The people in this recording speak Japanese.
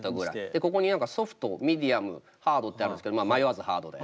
でここにソフトミディアムハードってあるんすけど迷わずハードで。